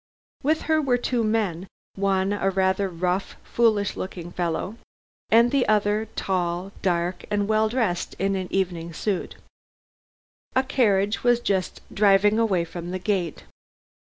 With her were two men, one a rather rough foolish looking fellow, and the other tall, dark, and well dressed in an evening suit. A carriage was just driving away from the gate.